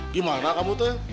gimana kamu teh